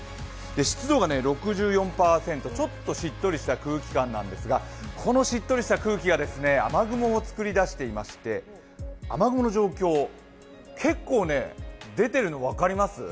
湿度が６４％、ちょっとしっとりした空気感なんですが、このしっとりした空気が雨雲を作り出していまして雨雲の状況、結構出ているの分かります？